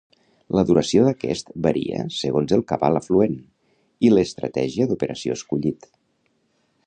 La duració d'aquest varia segons el cabal afluent i l'estratègia d'operació escollit.